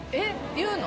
言うの？